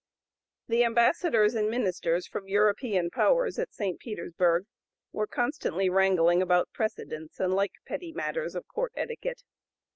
The ambassadors and ministers from European powers at St. Petersburg were constantly wrangling about precedence and like petty matters of court etiquette.